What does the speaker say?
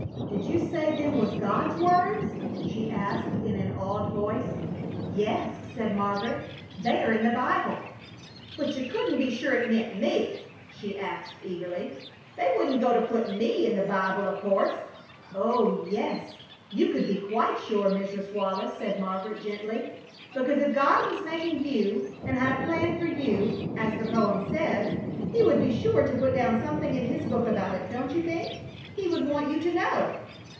"Did you say them was God's words?" she asked in an awed voice. "Yes," said Margaret; "they are in the Bible." "But you couldn't be sure it meant me?" she asked, eagerly. "They wouldn't go to put me in the Bible, o' course." "Oh yes, you could be quite sure, Mrs. Wallis," said Margaret, gently. "Because if God was making you and had a plan for you, as the poem says, He would be sure to put down something in His book about it, don't you think? He would want you to know."